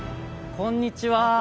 こんにちは。